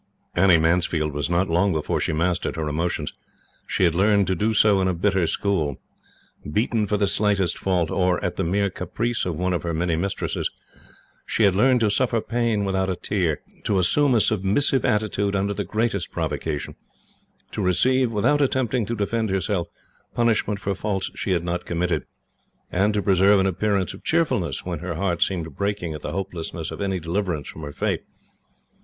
Annie Mansfield was not long before she mastered her emotions. She had learned to do so in a bitter school. Beaten for the slightest fault, or at the mere caprice of one of her many mistresses, she had learned to suffer pain without a tear; to assume a submissive attitude under the greatest provocation; to receive, without attempting to defend herself, punishment for faults she had not committed; and to preserve an appearance of cheerfulness, when her heart seemed breaking at the hopelessness of any deliverance from her fate.